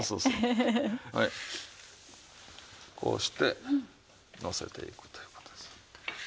こうしてのせていくという事です。